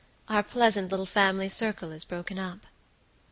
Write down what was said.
our pleasant little family circle is broken up."